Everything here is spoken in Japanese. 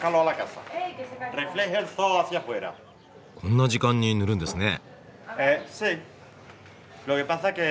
こんな時間に塗るんですね。